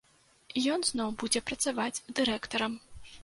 Ён зноў будзе працаваць дырэктарам.